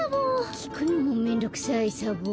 きくのもめんどくさいサボ。